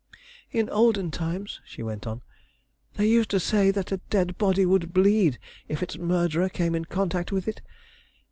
"In olden times," she went on, "they used to say that a dead body would bleed if its murderer came in contact with it.